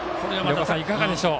いかがでしょう？